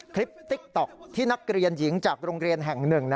คลิปติ๊กต๊อกที่นักเรียนหญิงจากโรงเรียนแห่ง๑